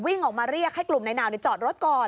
ออกมาเรียกให้กลุ่มนายนาวจอดรถก่อน